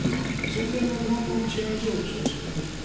戦前の日本の治安維持法もそうですよね。